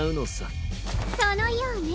そのようね。